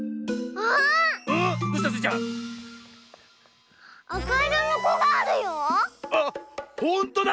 あっほんとだ！